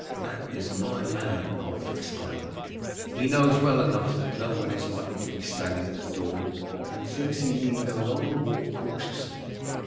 "That is my man," Ulf exclaimed. "He knows well enough that no one is likely to be standing at the door, and thinks he need no longer walk cautiously."